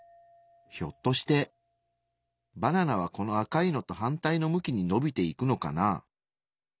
ひょっとしてバナナはこの赤いのと反対の向きにのびていくのかな。